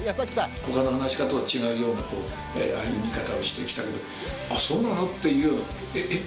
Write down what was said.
他の噺家とは違うようなああいう見方をしてきたりあそうなのっていうようなえっ？